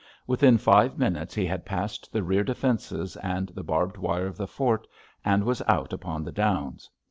Within five minutes he had passed the rear defences and the barbed wire of the fort, and was out upon the downs.